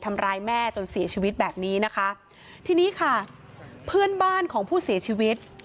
ทำร้ายแม่จนเสียชีวิตแบบนี้นะคะทีนี้ค่ะเพื่อนบ้านของผู้เสียชีวิต